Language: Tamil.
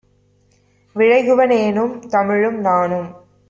விழைகுவ னேனும், தமிழும் - நானும்